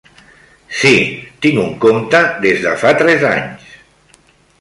Sí, tinc un compte des de fa tres anys.